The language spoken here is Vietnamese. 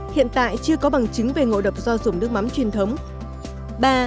hiện tại chưa có bằng chứng về ngộ độc do dùng nước mắm truyền thống